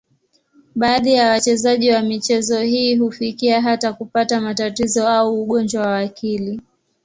Baadhi ya wachezaji wa michezo hii hufikia hata kupata matatizo au ugonjwa wa akili.